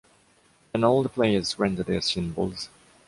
Then all the players surrender their symbols.